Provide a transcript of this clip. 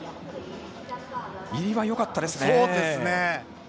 入りはよかったですね。